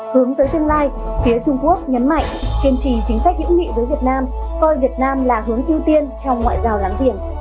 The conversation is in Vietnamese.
hướng tới tương lai phía trung quốc nhấn mạnh kiên trì chính sách hữu nghị với việt nam coi việt nam là hướng ưu tiên trong ngoại giao láng giềng